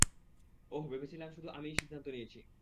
ওহ, ভেবেছিলাম শুধু আমিই ভুল সিদ্ধান্ত নিয়েছি।